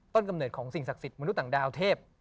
กำเนิดของสิ่งศักดิ์สิทธิมนุษย์ต่างดาวเทพ